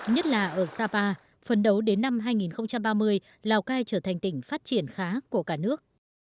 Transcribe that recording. nhất là ở sapa phấn đấu đến năm hai nghìn ba mươi lào cai trở thành tỉnh phát triển khá của cả nước